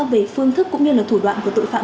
về phương thức cũng như là thủ đoạn của tội phạm